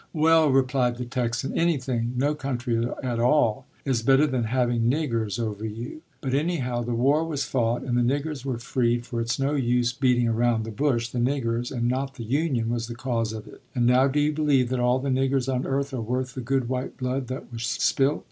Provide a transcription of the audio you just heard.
"Well," replied the Texan, "anything no country at all is better than having niggers over you. But anyhow, the war was fought and the niggers were freed; for it's no use beating around the bush, the niggers, and not the Union, was the cause of it; and now do you believe that all the niggers on earth are worth the good white blood that was spilt?